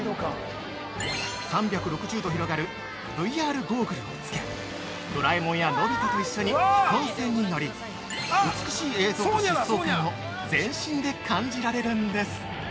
３６０度広がるＶＲゴーグルをつけ、ドラえもんやのび太と一緒に飛行船に乗り、美しい映像と疾走感を全身で感じられるんです！